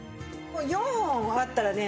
４本あったらね